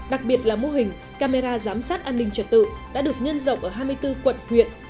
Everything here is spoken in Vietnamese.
đặc biệt là mô hình camera giám sát an ninh trật tự đã được nhân rộng ở hai mươi bốn quận huyện